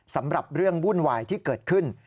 สำหรับเรื่องวุ่นวายที่เกิดขึ้น